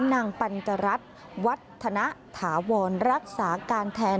นางปัญกรัฐวัฒนถาวรรักษาการแทน